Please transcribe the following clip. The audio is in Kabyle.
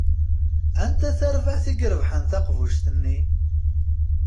Anta tarbaɛt i irebḥen taqbuct-nni?